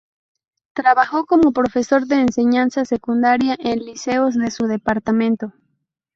Trabajó como profesor de enseñanza secundaria en liceos de su departamento.